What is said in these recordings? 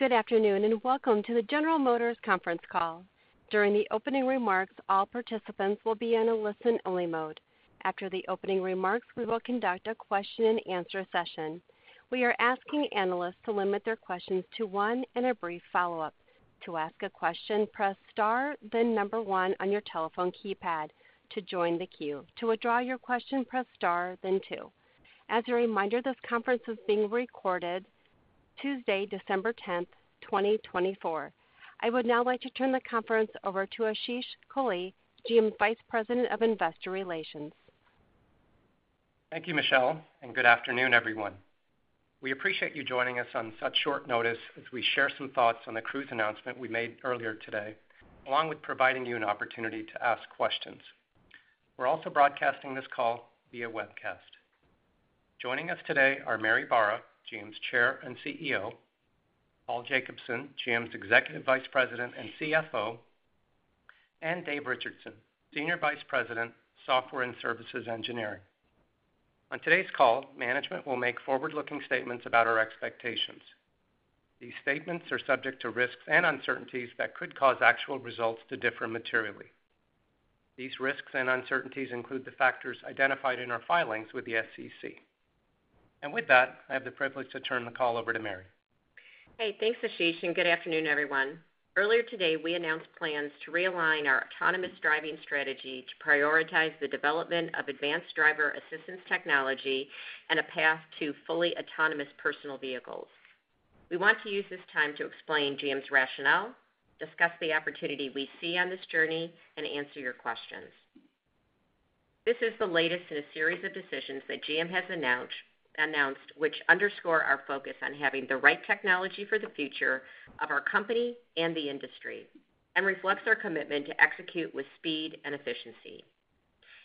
Good afternoon and welcome to the General Motors conference call. During the opening remarks, all participants will be in a listen-only mode. After the opening remarks, we will conduct a question-and-answer session. We are asking analysts to limit their questions to one and a brief follow-up. To ask a question, press star, then number one on your telephone keypad to join the queue. To withdraw your question, press star, then two. As a reminder, this conference is being recorded, Tuesday, December 10th, 2024. I would now like to turn the conference over to Ashish Kohli, GM Vice President of Investor Relations. Thank you, Michelle, and good afternoon, everyone. We appreciate you joining us on such short notice as we share some thoughts on the Cruise announcement we made earlier today, along with providing you an opportunity to ask questions. We're also broadcasting this call via webcast. Joining us today are Mary Barra, GM's Chair and CEO; Paul Jacobson, GM's Executive Vice President and CFO; and Dave Richardson, Senior Vice President, Software and Services Engineering. On today's call, management will make forward-looking statements about our expectations. These statements are subject to risks and uncertainties that could cause actual results to differ materially. These risks and uncertainties include the factors identified in our filings with the SEC, and with that, I have the privilege to turn the call over to Mary. Hey, thanks, Ashish, and good afternoon, everyone. Earlier today, we announced plans to realign our autonomous driving strategy to prioritize the development of advanced driver assistance technology and a path to fully autonomous personal vehicles. We want to use this time to explain GM's rationale, discuss the opportunity we see on this journey, and answer your questions. This is the latest in a series of decisions that GM has announced, which underscore our focus on having the right technology for the future of our company and the industry and reflects our commitment to execute with speed and efficiency,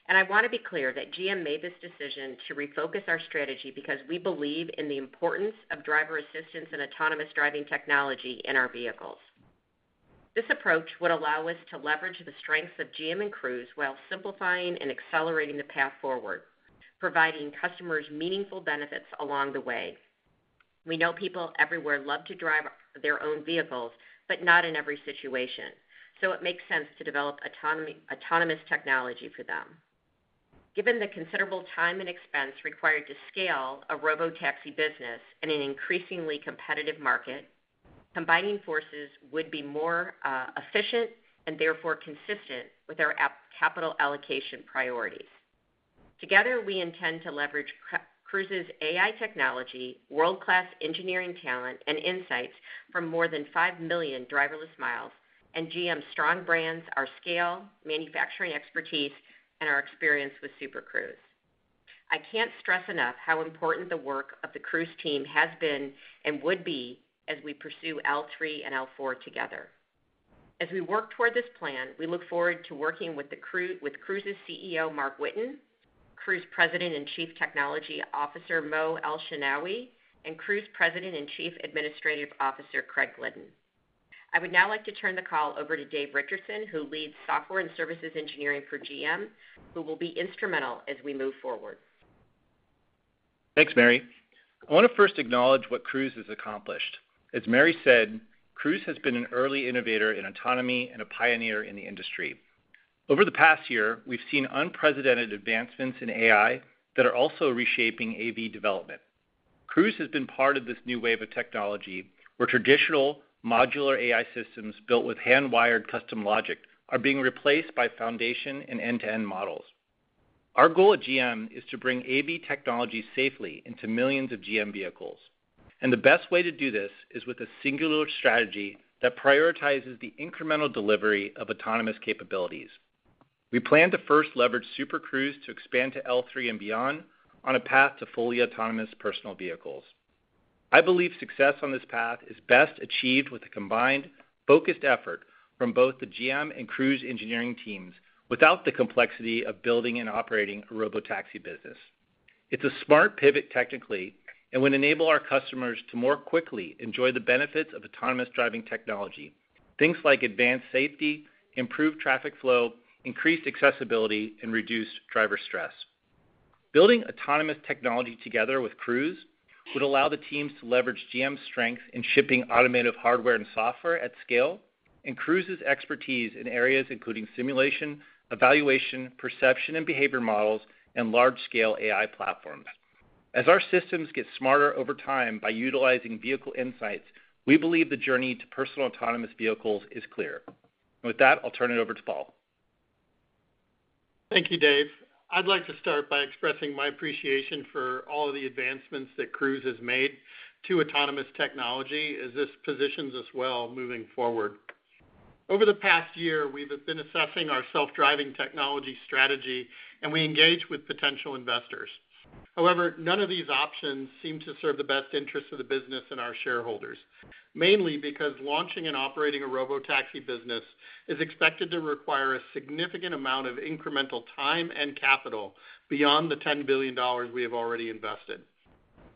and I want to be clear that GM made this decision to refocus our strategy because we believe in the importance of driver assistance and autonomous driving technology in our vehicles. This approach would allow us to leverage the strengths of GM and Cruise while simplifying and accelerating the path forward, providing customers meaningful benefits along the way. We know people everywhere love to drive their own vehicles, but not in every situation, so it makes sense to develop autonomous technology for them. Given the considerable time and expense required to scale a robotaxi business in an increasingly competitive market, combining forces would be more efficient and therefore consistent with our capital allocation priorities. Together, we intend to leverage Cruise's AI technology, world-class engineering talent, and insights from more than five million driverless miles, and GM's strong brands, our scale, manufacturing expertise, and our experience with Super Cruise. I can't stress enough how important the work of the Cruise team has been and would be as we pursue L3 and L4 together. As we work toward this plan, we look forward to working with Cruise's CEO, Marc Whitten, Cruise President and Chief Technology Officer, Mo Elshenawy, and Cruise President and Chief Administrative Officer, Craig Glidden. I would now like to turn the call over to Dave Richardson, who leads Software and Services Engineering for GM, who will be instrumental as we move forward. Thanks, Mary. I want to first acknowledge what Cruise has accomplished. As Mary said, Cruise has been an early innovator in autonomy and a pioneer in the industry. Over the past year, we've seen unprecedented advancements in AI that are also reshaping AV development. Cruise has been part of this new wave of technology where traditional modular AI systems built with hand-wired custom logic are being replaced by foundation and end-to-end models. Our goal at GM is to bring AV technology safely into millions of GM vehicles, and the best way to do this is with a singular strategy that prioritizes the incremental delivery of autonomous capabilities. We plan to first leverage Super Cruise to expand to L3 and beyond on a path to fully autonomous personal vehicles. I believe success on this path is best achieved with a combined, focused effort from both the GM and Cruise engineering teams without the complexity of building and operating a robotaxi business. It's a smart pivot technically and would enable our customers to more quickly enjoy the benefits of autonomous driving technology, things like advanced safety, improved traffic flow, increased accessibility, and reduced driver stress. Building autonomous technology together with Cruise would allow the teams to leverage GM's strength in shipping automated hardware and software at scale and Cruise's expertise in areas including simulation, evaluation, perception, and behavior models and large-scale AI platforms. As our systems get smarter over time by utilizing vehicle insights, we believe the journey to personal autonomous vehicles is clear, and with that, I'll turn it over to Paul. Thank you, Dave. I'd like to start by expressing my appreciation for all of the advancements that Cruise has made to autonomous technology as this positions us well moving forward. Over the past year, we've been assessing our self-driving technology strategy, and we engage with potential investors. However, none of these options seem to serve the best interests of the business and our shareholders, mainly because launching and operating a robotaxi business is expected to require a significant amount of incremental time and capital beyond the $10 billion we have already invested.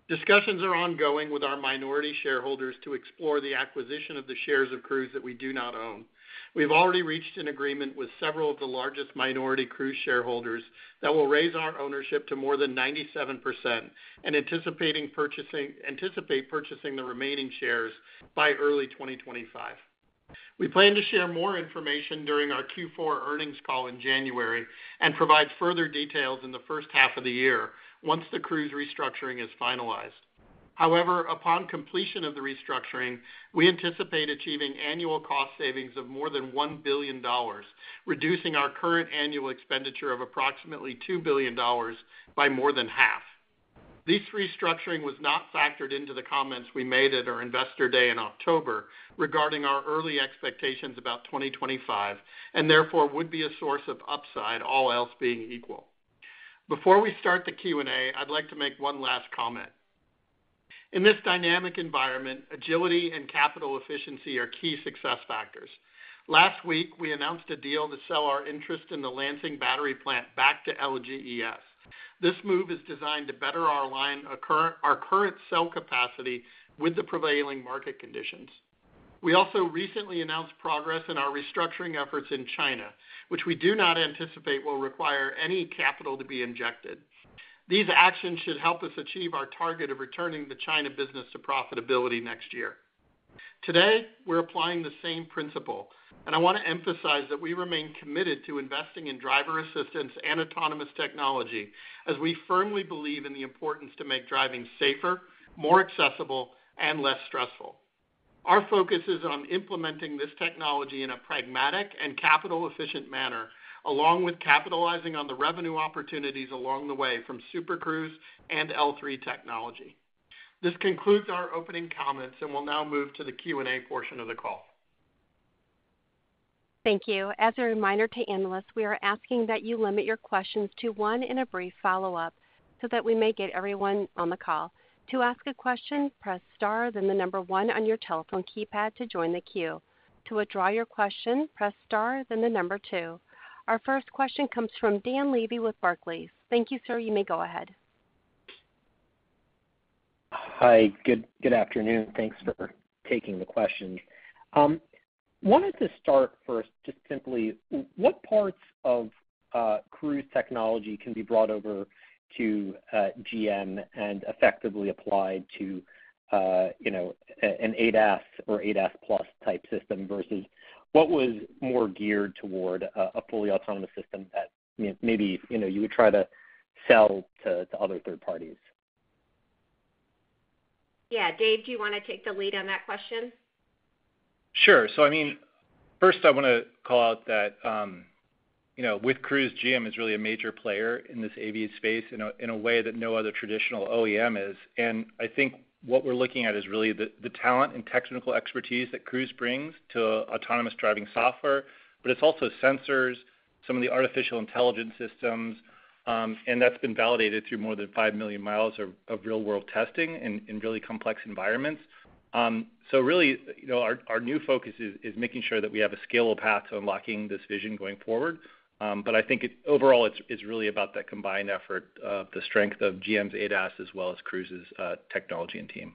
Discussions are ongoing with our minority shareholders to explore the acquisition of the shares of Cruise that we do not own. We've already reached an agreement with several of the largest minority Cruise shareholders that will raise our ownership to more than 97% and anticipate purchasing the remaining shares by early 2025. We plan to share more information during our Q4 earnings call in January and provide further details in the first half of the year once the Cruise restructuring is finalized. However, upon completion of the restructuring, we anticipate achieving annual cost savings of more than $1 billion, reducing our current annual expenditure of approximately $2 billion by more than half. This restructuring was not factored into the comments we made at our Investor Day in October regarding our early expectations about 2025 and therefore would be a source of upside, all else being equal. Before we start the Q&A, I'd like to make one last comment. In this dynamic environment, agility and capital efficiency are key success factors. Last week, we announced a deal to sell our interest in the Lansing battery plant back to LGES. This move is designed to better align our current sales capacity with the prevailing market conditions. We also recently announced progress in our restructuring efforts in China, which we do not anticipate will require any capital to be injected. These actions should help us achieve our target of returning the China business to profitability next year. Today, we're applying the same principle, and I want to emphasize that we remain committed to investing in driver assistance and autonomous technology as we firmly believe in the importance to make driving safer, more accessible, and less stressful. Our focus is on implementing this technology in a pragmatic and capital-efficient manner, along with capitalizing on the revenue opportunities along the way from Super Cruise and L3 technology. This concludes our opening comments, and we'll now move to the Q&A portion of the call. Thank you. As a reminder to analysts, we are asking that you limit your questions to one and a brief follow-up so that we may get everyone on the call. To ask a question, press star, then the number one on your telephone keypad to join the queue. To withdraw your question, press star, then the number two. Our first question comes from Dan Levy with Barclays. Thank you, sir. You may go ahead. Hi. Good afternoon. Thanks for taking the question. I wanted to start first just simply, what parts of Cruise technology can be brought over to GM and effectively applied to an ADAS or ADAS Plus type system versus what was more geared toward a fully autonomous system that maybe you would try to sell to other third parties? Yeah. Dave, do you want to take the lead on that question? Sure. So I mean, first, I want to call out that with Cruise, GM is really a major player in this AV space in a way that no other traditional OEM is. And I think what we're looking at is really the talent and technical expertise that Cruise brings to autonomous driving software, but it's also sensors, some of the artificial intelligence systems, and that's been validated through more than five million miles of real-world testing in really complex environments. So really, our new focus is making sure that we have a scalable path to unlocking this vision going forward. But I think overall, it's really about that combined effort of the strength of GM's ADAS as well as Cruise's technology and team.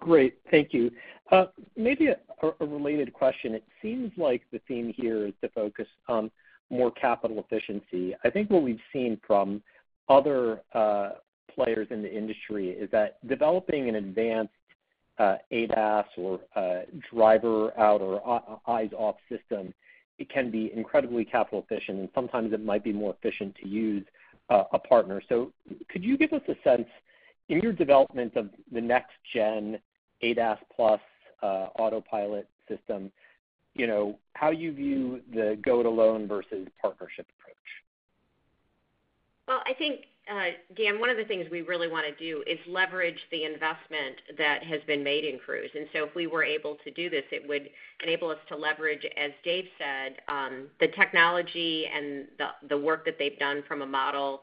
Great. Thank you. Maybe a related question. It seems like the theme here is to focus on more capital efficiency. I think what we've seen from other players in the industry is that developing an advanced ADAS or driver-out or eyes-off system, it can be incredibly capital-efficient, and sometimes it might be more efficient to use a partner. So could you give us a sense in your development of the next-gen ADAS Plus autopilot system, how you view the go-it-alone versus partnership approach? I think, Dan, one of the things we really want to do is leverage the investment that has been made in Cruise, and so if we were able to do this, it would enable us to leverage, as Dave said, the technology and the work that they've done from a model,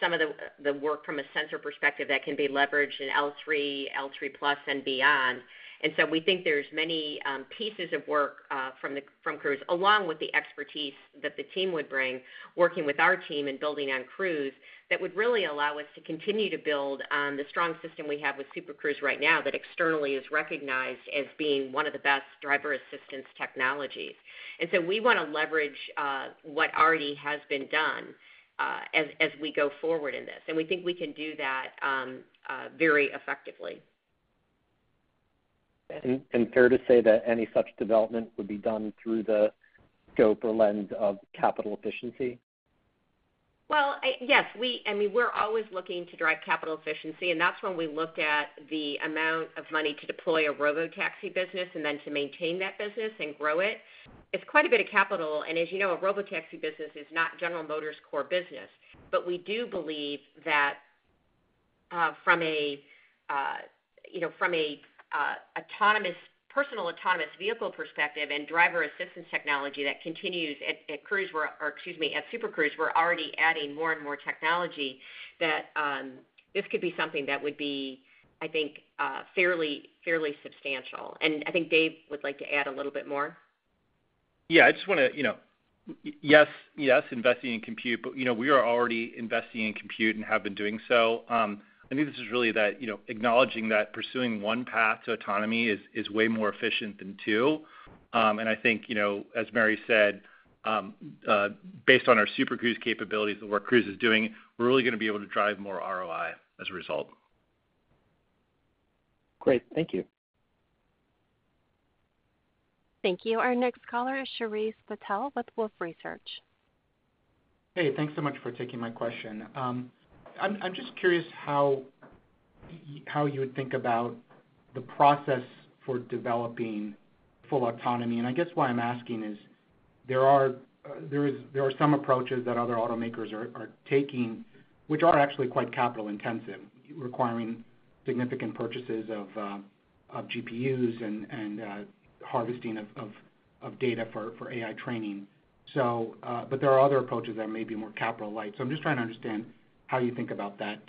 some of the work from a sensor perspective that can be leveraged in L3, L3 Plus, and beyond, and so we think there's many pieces of work from Cruise, along with the expertise that the team would bring, working with our team and building on Cruise. That would really allow us to continue to build on the strong system we have with Super Cruise right now that externally is recognized as being one of the best driver assistance technologies, and so we want to leverage what already has been done as we go forward in this. We think we can do that very effectively. Fair to say that any such development would be done through the scope or lens of capital efficiency? Yes. I mean, we're always looking to drive capital efficiency, and that's when we look at the amount of money to deploy a robotaxi business and then to maintain that business and grow it. It's quite a bit of capital. And as you know, a robotaxi business is not General Motors' core business. But we do believe that from a personal autonomous vehicle perspective and driver assistance technology that continues at Cruise or, excuse me, at Super Cruise, we're already adding more and more technology that this could be something that would be, I think, fairly substantial. And I think Dave would like to add a little bit more. Yeah. I just want to, yes, investing in compute, but we are already investing in compute and have been doing so. I think this is really that acknowledging that pursuing one path to autonomy is way more efficient than two, and I think, as Mary said, based on our Super Cruise capabilities, the work Cruise is doing, we're really going to be able to drive more ROI as a result. Great. Thank you. Thank you. Our next caller is Shreyas Patil with Wolfe Research. Hey, thanks so much for taking my question. I'm just curious how you would think about the process for developing full autonomy, and I guess why I'm asking is there are some approaches that other automakers are taking, which are actually quite capital-intensive, requiring significant purchases of GPUs and harvesting of data for AI training, but there are other approaches that may be more capital-light, so I'm just trying to understand how you think about that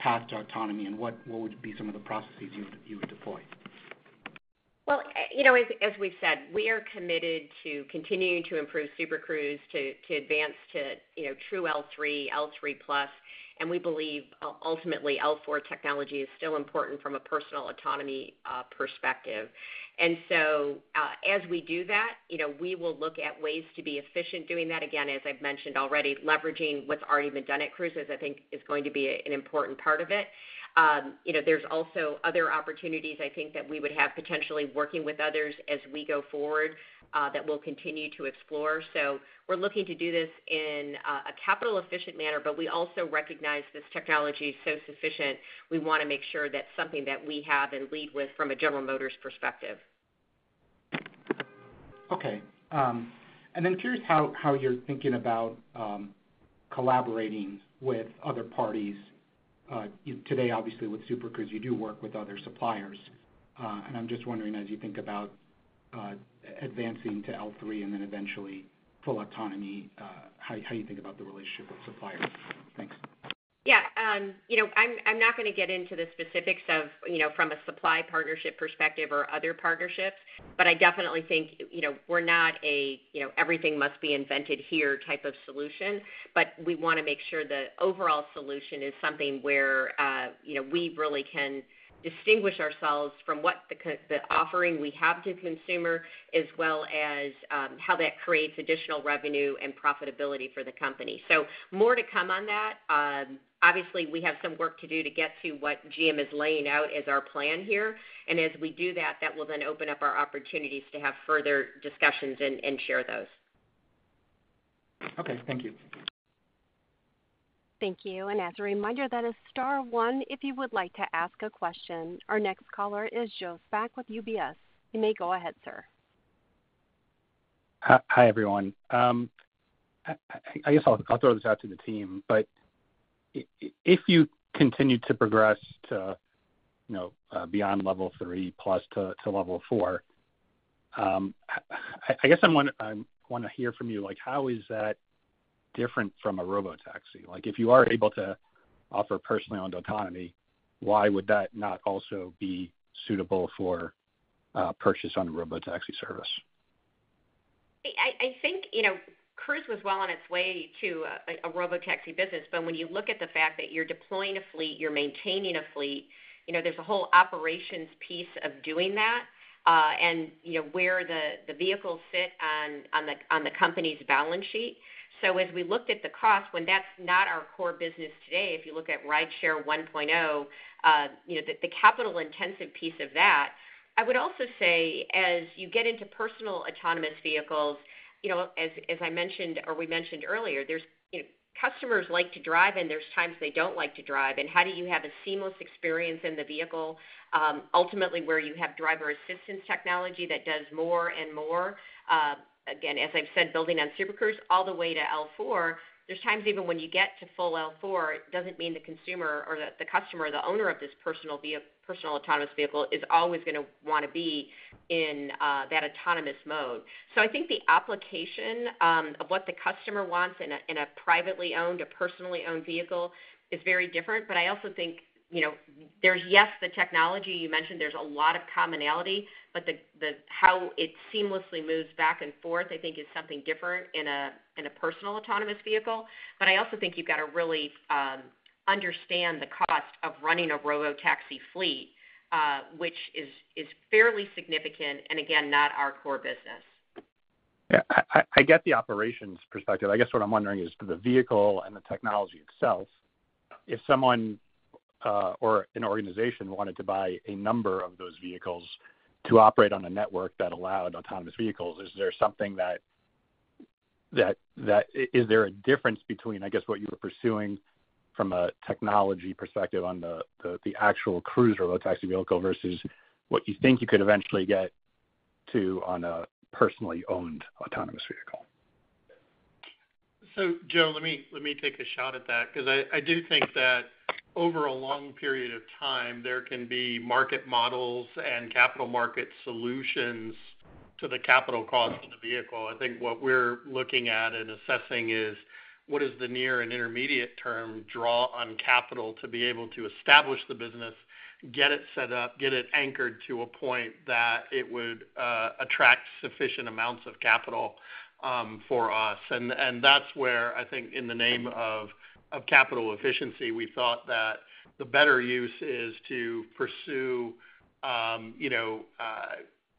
path to autonomy and what would be some of the processes you would deploy. As we've said, we are committed to continuing to improve Super Cruise, to advance to true L3, L3 Plus, and we believe ultimately L4 technology is still important from a personal autonomy perspective. So as we do that, we will look at ways to be efficient doing that. Again, as I've mentioned already, leveraging what's already been done at Cruise is, I think, going to be an important part of it. There's also other opportunities, I think, that we would have potentially working with others as we go forward that we'll continue to explore. We're looking to do this in a capital-efficient manner, but we also recognize this technology is so significant, we want to make sure that's something that we have and lead with from a General Motors perspective. Okay. And I'm curious how you're thinking about collaborating with other parties. Today, obviously, with Super Cruise, you do work with other suppliers. And I'm just wondering, as you think about advancing to L3 and then eventually full autonomy, how you think about the relationship with suppliers. Thanks. Yeah. I'm not going to get into the specifics from a supply partnership perspective or other partnerships, but I definitely think we're not a everything must be invented here type of solution, but we want to make sure the overall solution is something where we really can distinguish ourselves from what the offering we have to the consumer as well as how that creates additional revenue and profitability for the company, so more to come on that. Obviously, we have some work to do to get to what GM is laying out as our plan here, and as we do that, that will then open up our opportunities to have further discussions and share those. Okay. Thank you. Thank you. And as a reminder, that is star one if you would like to ask a question. Our next caller is Joe Spak with UBS. You may go ahead, sir. Hi, everyone. I guess I'll throw this out to the team, but if you continue to progress to beyond Level 3 plus to Level 4, I guess I want to hear from you, how is that different from a robotaxi? If you are able to offer personally-owned autonomy, why would that not also be suitable for purchase on a robotaxi service? I think Cruise was well on its way to a robotaxi business, but when you look at the fact that you're deploying a fleet, you're maintaining a fleet, there's a whole operations piece of doing that and where the vehicles sit on the company's balance sheet. So as we looked at the cost, when that's not our core business today, if you look at rideshare 1.0, the capital-intensive piece of that, I would also say as you get into personal autonomous vehicles, as I mentioned or we mentioned earlier, customers like to drive and there's times they don't like to drive, and how do you have a seamless experience in the vehicle? Ultimately, where you have driver assistance technology that does more and more. Again, as I've said, building on Super Cruise all the way to L4, there's times even when you get to full L4, it doesn't mean the consumer or the customer, the owner of this personal autonomous vehicle is always going to want to be in that autonomous mode. So I think the application of what the customer wants in a privately-owned or personally-owned vehicle is very different. But I also think there's, yes, the technology you mentioned, there's a lot of commonality, but how it seamlessly moves back and forth, I think, is something different in a personal autonomous vehicle. But I also think you've got to really understand the cost of running a robotaxi fleet, which is fairly significant and, again, not our core business. Yeah. I get the operations perspective. I guess what I'm wondering is for the vehicle and the technology itself, if someone or an organization wanted to buy a number of those vehicles to operate on a network that allowed autonomous vehicles, is there something that is, there a difference between, I guess, what you were pursuing from a technology perspective on the actual Cruise robotaxi vehicle versus what you think you could eventually get to on a personally-owned autonomous vehicle? So Joe, let me take a shot at that because I do think that over a long period of time, there can be market models and capital market solutions to the capital cost of the vehicle. I think what we're looking at and assessing is what does the near and intermediate term draw on capital to be able to establish the business, get it set up, get it anchored to a point that it would attract sufficient amounts of capital for us. That's where I think in the name of capital efficiency, we thought that the better use is to pursue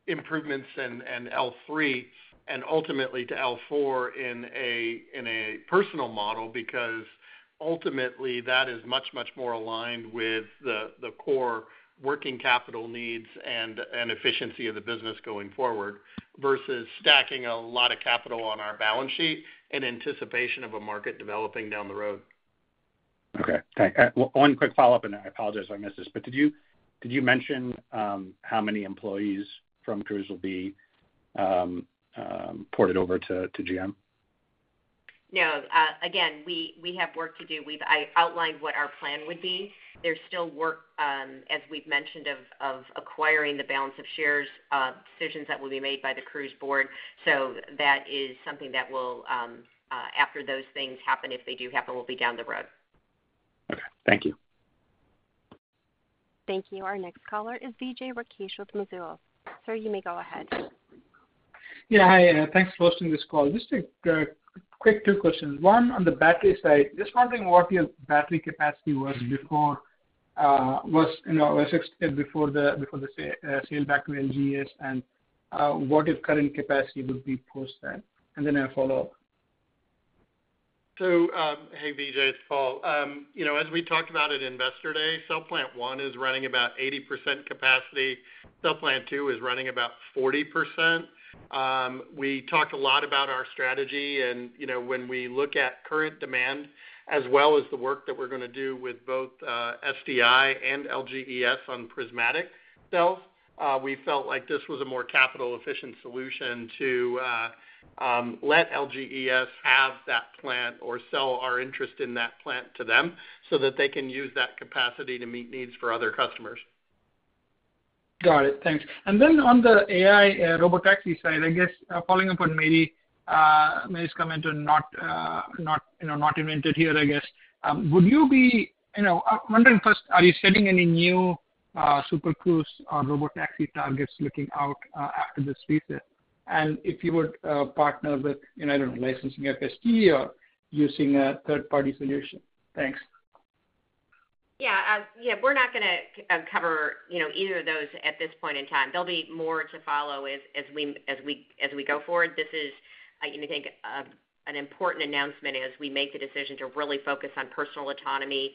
improvements in L3 and ultimately to L4 in a personal model because ultimately that is much, much more aligned with the core working capital needs and efficiency of the business going forward versus stacking a lot of capital on our balance sheet in anticipation of a market developing down the road. Okay. One quick follow-up, and I apologize if I missed this, but did you mention how many employees from Cruise will be ported over to GM? No. Again, we have work to do. I outlined what our plan would be. There's still work, as we've mentioned, of acquiring the balance of shares, decisions that will be made by the Cruise board. So that is something that will, after those things happen, if they do happen, will be down the road. Okay. Thank you. Thank you. Our next caller is Vijay Rakesh with Mizuho. Sir, you may go ahead. Yeah. Hi. Thanks for hosting this call. Just a quick two questions. One on the battery side, just wondering what your battery capacity was before it was extended before the sale back to LGES, and what your current capacity would be post that? And then a follow-up. So hey, Vijay, it's Paul. As we talked about at Investor Day, cell plant one is running about 80% capacity. Cell plant two is running about 40%. We talked a lot about our strategy. And when we look at current demand as well as the work that we're going to do with both SDI and LGES on prismatic cells, we felt like this was a more capital-efficient solution to let LGES have that plant or sell our interest in that plant to them so that they can use that capacity to meet needs for other customers. Got it. Thanks. And then on the AI robotaxi side, I guess following up on maybe Mary's comment on not invented here, I guess, would you be wondering first, are you setting any new Super Cruise or robotaxi targets looking out after this reset? And if you would partner with, I don't know, licensing FSD or using a third-party solution? Thanks. Yeah. Yeah. We're not going to cover either of those at this point in time. There'll be more to follow as we go forward. This is, I think, an important announcement as we make the decision to really focus on personal autonomy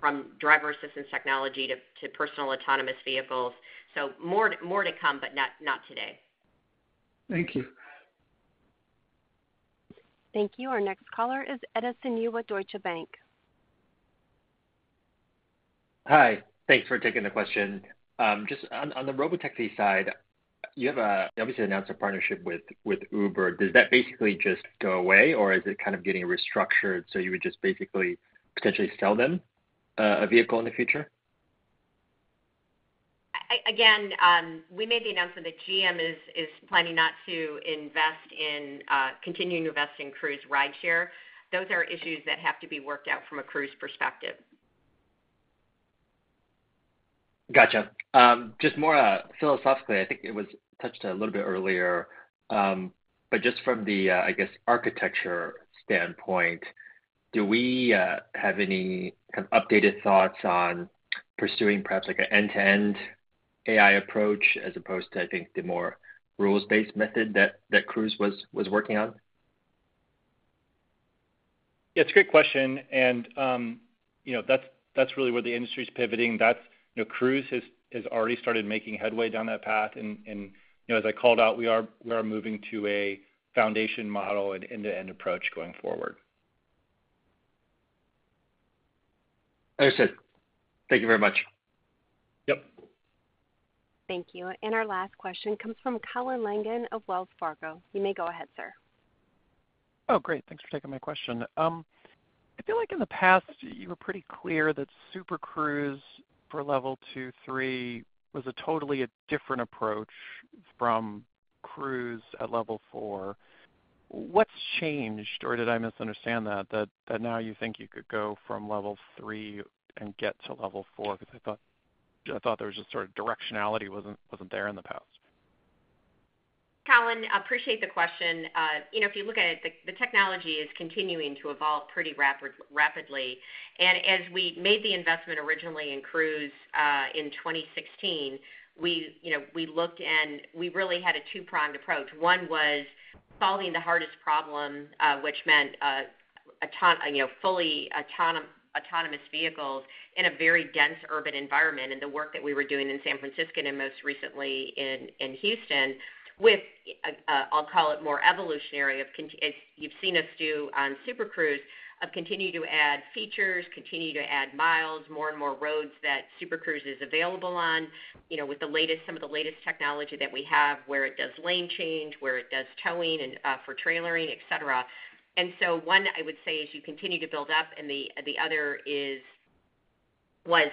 from driver assistance technology to personal autonomous vehicles. So more to come, but not today. Thank you. Thank you. Our next caller is Edison Yu with Deutsche Bank. Hi. Thanks for taking the question. Just on the robotaxi side, you have obviously announced a partnership with Uber. Does that basically just go away, or is it kind of getting restructured so you would just basically potentially sell them a vehicle in the future? Again, we made the announcement that GM is planning not to invest in continuing to invest in Cruise rideshare. Those are issues that have to be worked out from a Cruise perspective. Gotcha. Just more philosophically, I think it was touched a little bit earlier, but just from the, I guess, architecture standpoint, do we have any kind of updated thoughts on pursuing perhaps an end-to-end AI approach as opposed to, I think, the more rules-based method that Cruise was working on? Yeah. It's a great question. And that's really where the industry is pivoting. Cruise has already started making headway down that path. And as I called out, we are moving to a foundation model and end-to-end approach going forward. Understood. Thank you very much. Yep. Thank you. Our last question comes from Colin Langan of Wells Fargo. You may go ahead, sir. Oh, great. Thanks for taking my question. I feel like in the past, you were pretty clear that Super Cruise for level two, three was a totally different approach from Cruise at level four. What's changed, or did I misunderstand that, that now you think you could go from level three and get to level four? Because I thought there was just sort of directionality, wasn't there in the past? Colin, appreciate the question. If you look at it, the technology is continuing to evolve pretty rapidly. And as we made the investment originally in Cruise in 2016, we looked and we really had a two-pronged approach. One was solving the hardest problem, which meant fully autonomous vehicles in a very dense urban environment and the work that we were doing in San Francisco and most recently in Houston with, I'll call it more evolutionary as you've seen us do on Super Cruise, of continuing to add features, continuing to add miles, more and more roads that Super Cruise is available on with some of the latest technology that we have where it does lane change, where it does towing for trailering, etc. And so one, I would say, is you continue to build up, and the other was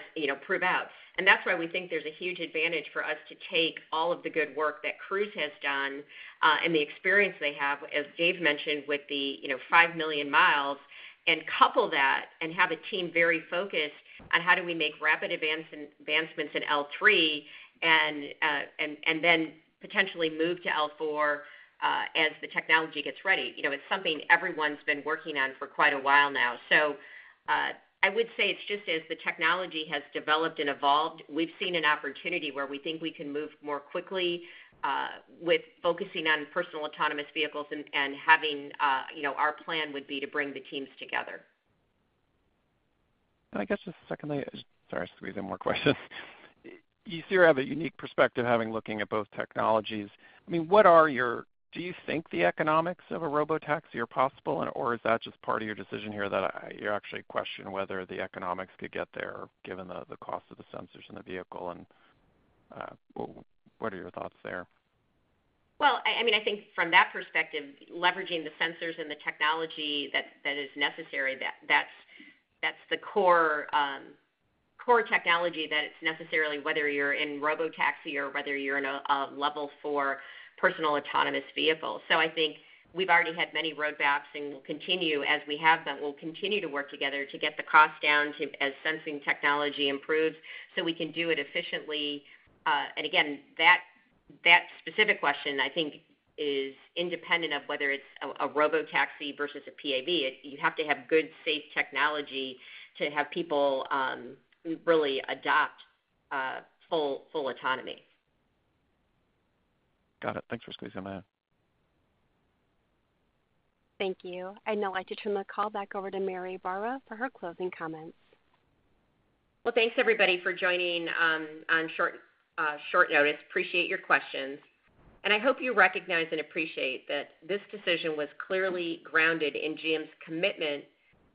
prove out. And that's why we think there's a huge advantage for us to take all of the good work that Cruise has done and the experience they have, as Dave mentioned, with the five million miles, and couple that and have a team very focused on how do we make rapid advancements in L3 and then potentially move to L4 as the technology gets ready. It's something everyone's been working on for quite a while now. So I would say it's just as the technology has developed and evolved, we've seen an opportunity where we think we can move more quickly with focusing on personal autonomous vehicles and having our plan would be to bring the teams together. And I guess just secondly, sorry, I squeezed in more questions. You seem to have a unique perspective having looked at both technologies. I mean, what do you think the economics of a robotaxi are possible, or is that just part of your decision here that you actually question whether the economics could get there given the cost of the sensors in the vehicle? And what are your thoughts there? Well, I mean, I think from that perspective, leveraging the sensors and the technology that is necessary, that's the core technology that it's necessarily whether you're in robotaxi or whether you're in a Level 4 personal autonomous vehicle. So I think we've already had many roadmaps and will continue as we have that we'll continue to work together to get the cost down as sensing technology improves so we can do it efficiently. And again, that specific question, I think, is independent of whether it's a robotaxi versus a PAV. You have to have good, safe technology to have people really adopt full autonomy. Got it. Thanks for squeezing in there. Thank you. I'd now like to turn the call back over to Mary Barra for her closing comments. Thanks, everybody, for joining on short notice. Appreciate your questions. I hope you recognize and appreciate that this decision was clearly grounded in GM's commitment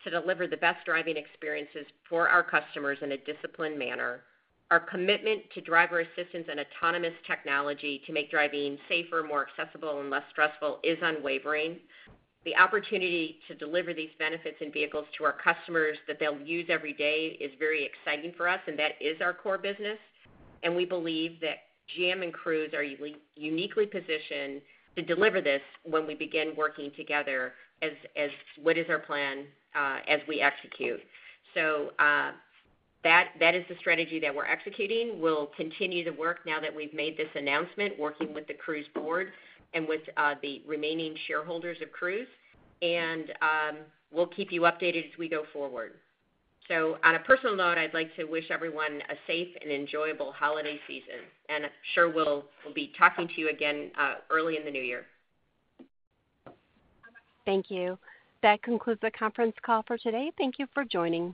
to deliver the best driving experiences for our customers in a disciplined manner. Our commitment to driver assistance and autonomous technology to make driving safer, more accessible, and less stressful is unwavering. The opportunity to deliver these benefits and vehicles to our customers that they'll use every day is very exciting for us, and that is our core business. We believe that GM and Cruise are uniquely positioned to deliver this when we begin working together as what is our plan as we execute. That is the strategy that we're executing. We'll continue to work now that we've made this announcement working with the Cruise board and with the remaining shareholders of Cruise. We'll keep you updated as we go forward. On a personal note, I'd like to wish everyone a safe and enjoyable holiday season. I'm sure we'll be talking to you again early in the new year. Thank you. That concludes the conference call for today. Thank you for joining.